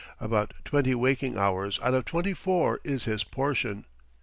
About twenty waking hours out of twenty four is his portion.